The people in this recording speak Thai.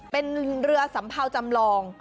เป็นเรือสัมเภาจำลอง